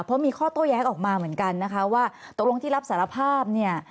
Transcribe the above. เพราะมีข้อโต้แย้งออกมาเหมือนกันนะคะว่าตกลงที่รับสารภาพเนี่ย